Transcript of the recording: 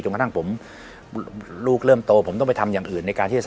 กระทั่งผมลูกเริ่มโตผมต้องไปทำอย่างอื่นในการที่จะ